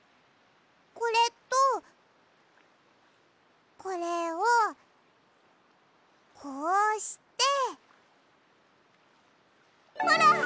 これとこれをこうしてほらっ！